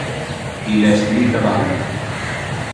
Il es mi cavallo.